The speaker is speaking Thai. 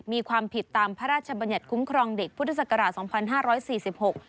มีความผิดตามพระราชบรรยัติคุ้มครองเด็กพุทธศักราช๒๕๔๖